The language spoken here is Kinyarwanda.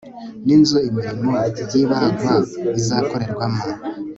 n inzu imirimo y ibagwa izakorerwamo